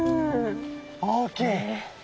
大きい。